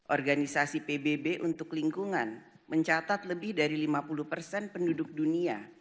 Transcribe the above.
organisasi pbb untuk lingkungan mencatat lebih dari lima puluh persen penduduk dunia